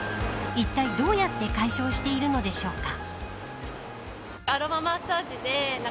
一体、どうやって解消しているのでしょうか。